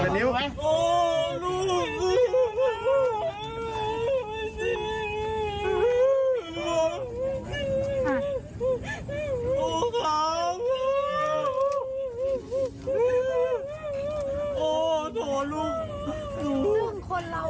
คนเราสมองขัดอากาศได้ไม่เกิน๔๐นาที